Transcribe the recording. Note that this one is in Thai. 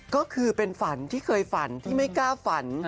ก็คือเป็นฝันที่เคยฝันที่ไม่กล้าฝัน